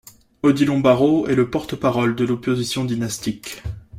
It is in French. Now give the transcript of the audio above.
Odilon Barrot est le porte-parole de l'opposition dynastique.